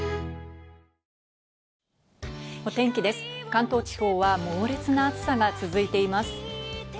関東地方は猛烈な暑さが続いています。